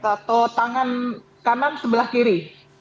atau tangan kanan sebelah kiri